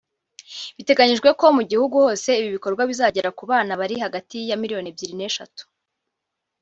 Biteganyijwe ko mu gihugu hose ibi bikorwa bizagera ku bana bari hagati ya miliyoni ebyiri n’eshatu